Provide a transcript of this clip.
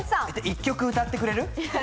１曲歌ってくれる。